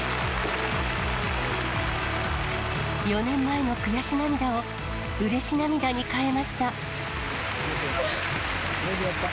４年前の悔し涙をうれし涙に変えました。